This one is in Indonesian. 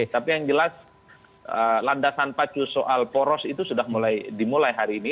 tapi yang jelas landasan pacu soal poros itu sudah mulai dimulai hari ini